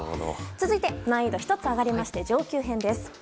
続いて難易度１つ上がりまして上級編です。